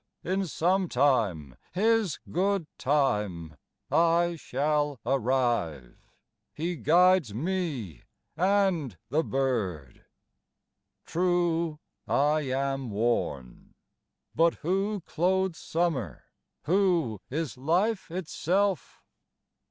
V In some time, His good time, I shall arrive; ' He guides me and the bird." "True, I am worn ; But who clothes summer, who is life itself?